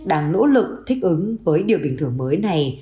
đang nỗ lực thích ứng với điều bình thường mới này